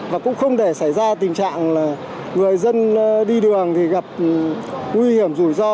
và cũng không để xảy ra tình trạng là người dân đi đường thì gặp nguy hiểm rủi ro